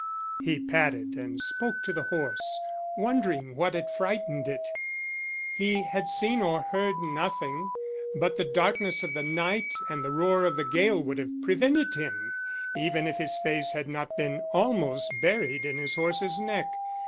He patted and spoke to the horse, wondering what had frightened it. He had seen or heard nothing, but the darkness of the night and the roar of the gale would have prevented him, even if his face had not been almost buried in his horse's neck.